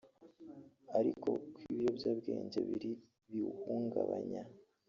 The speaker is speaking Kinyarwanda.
ariko ko ibiyobyabwenge biri mu biwuhungabanya